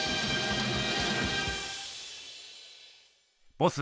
ボス